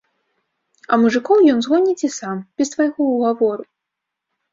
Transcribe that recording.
А мужыкоў ён згоніць і сам, без твайго ўгавору.